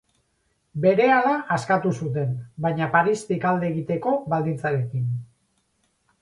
Berehala askatu zuten, baina Paristik alde egiteko baldintzarekin.